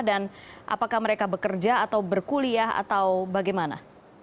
dan apakah mereka bekerja atau berkuliah atau bagaimana